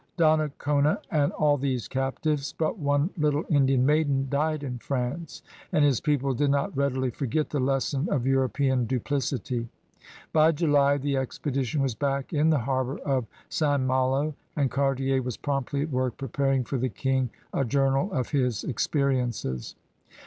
Donnacona and all these captives but one little Indian maiden died in France, and his people did not readily forget the lesson of European duplicity. By July the expedition was back in the harbor of St. 24 CRUSADERS OF NEW FRANCE MalO) and Cartier was promptly at work preparing for the King a journal of Iiis experiences.